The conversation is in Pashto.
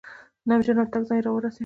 نمجن او تنګ ځای راورسېد.